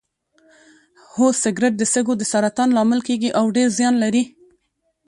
هو سګرټ د سږو د سرطان لامل کیږي او ډیر زیان لري